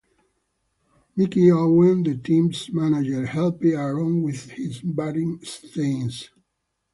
Mickey Owen, the team's manager, helped Aaron with his batting stance.